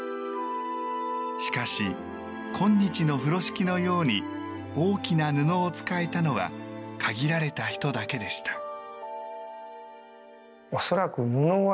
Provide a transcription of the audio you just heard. しかし、こんにちの風呂敷のように大きな布を使えたのは限られた人だけでした。